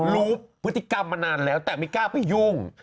รู้พฤติกรรมมานานแล้วแต่ไม่กล้าไปยุ่ง